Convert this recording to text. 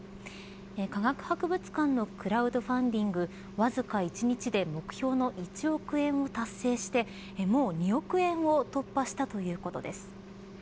科学博物館のクラウドファンディングわずか１日で目標の１億円を達成してもう２億円を突破したということです。